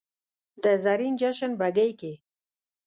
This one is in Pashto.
د زرین جشن بګۍ کې